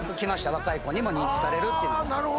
若い子にも認知されるっていう。